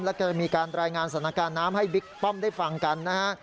และจะมีการรายงานสนักการณ์น้ำให้บิ๊กป้อมได้ฟังกัน